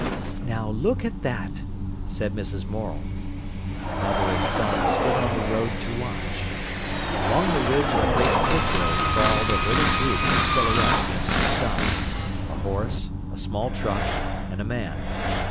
"Now look at that!" said Mrs. Morel. Mother and son stood on the road to watch. Along the ridge of the great pit hill crawled a little group in silhouette against the sky, a horse, a small truck, and a man.